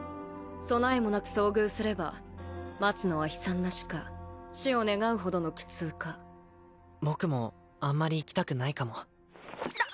備えもなく遭遇すれば待つのは悲惨な死か死を願うほどの苦痛か僕もあんまり行きたくないかもだ